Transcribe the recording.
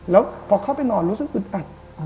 แล้วพอเข้าไปนอนรู้สึกอึดอัด